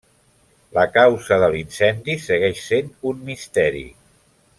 La causa de l'incendi segueix sent un misteri.